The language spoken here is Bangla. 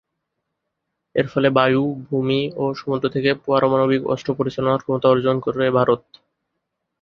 এর ফলে বায়ু, ভূমি ও সমুদ্র থেকে পারমাণবিক অস্ত্র পরিচালনার ক্ষমতা অর্জন করে ভারত।